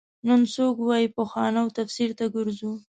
نن څوک وايي پخوانو تفسیر ته ګرځو.